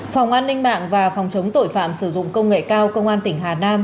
phòng an ninh mạng và phòng chống tội phạm sử dụng công nghệ cao công an tỉnh hà nam